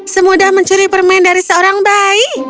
semudah mencuri permen dari seorang bayi